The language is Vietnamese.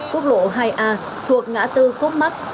quốc lộ hai a thuộc ngã tư cốt mắc